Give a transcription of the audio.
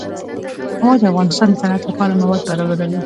هوا د افغانستان د صنعت لپاره مواد برابروي.